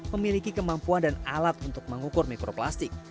memiliki kemampuan dan alat untuk mengukur mikroplastik